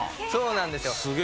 そうなんですよ。